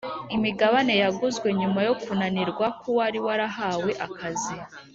imigabane yaguzwe nyuma yo kunanirwa k uwari warahawe akazi